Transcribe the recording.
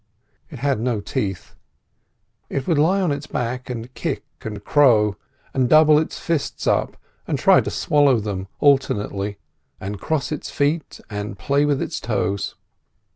It had no teeth. It would lie on its back and kick and crow, and double its fists up and try to swallow them alternately, and cross its feet and play with its toes.